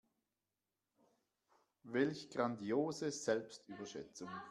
Welch grandiose Selbstüberschätzung.